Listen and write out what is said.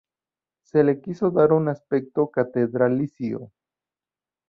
Se le quiso dar un aspecto catedralicio.